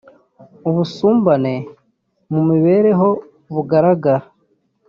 ubusumbane mu mibereho bugaragara